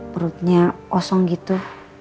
perutnya osong gitu